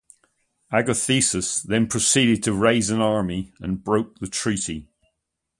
Agathocles then proceeded to raise an army and broke the treaty.